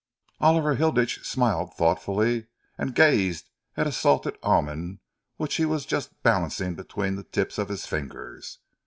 Oliver Hilditch smiled thoughtfully, and gazed at a salted almond which he was just balancing between the tips of his fingers.